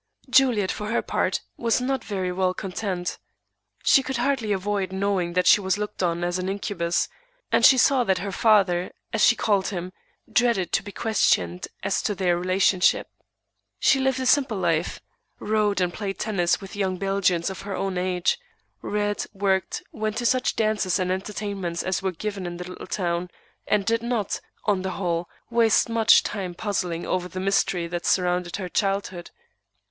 Juliet, for her part, was not very well content. She could hardly avoid knowing that she was looked on as an incubus, and she saw that her father, as she called him, dreaded to be questioned as to their relationship. She lived a simple life; rode and played tennis with young Belgians of her own age; read, worked, went to such dances and entertainments as were given in the little town, and did not, on the whole, waste much time puzzling over the mystery that surrounded her childhood.